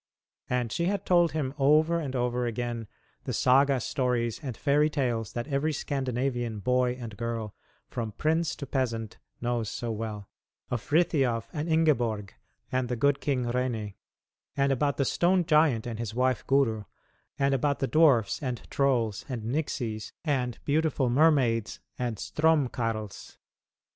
And she had told him over and over again the saga stories and fairy tales that every Scandinavian boy and girl, from prince to peasant, knows so well of Frithiof and Ingeborg, and the good King Rene; and about the Stone Giant and his wife Guru; and about the dwarfs, and trolls, and nixies, and beautiful mermaids and stromkarls.